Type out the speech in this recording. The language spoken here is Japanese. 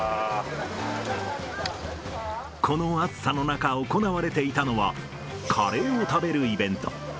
この暑さの中、行われていたのは、カレーを食べるイベント。